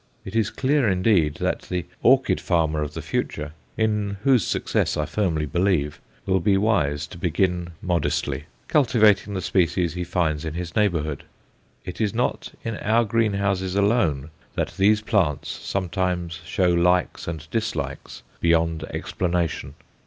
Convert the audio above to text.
It is clear, indeed, that the orchid farmer of the future, in whose success I firmly believe, will be wise to begin modestly, cultivating the species he finds in his neighbourhood. It is not in our greenhouses alone that these plants sometimes show likes and dislikes beyond explanation.